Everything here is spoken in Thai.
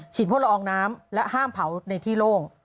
พวกละอองน้ำและห้ามเผาในที่โล่ง